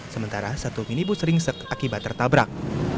sementara satu minibus ringsek akibat tertabrak